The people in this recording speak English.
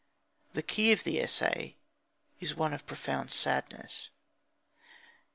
The key of the essay is one of profound sadness.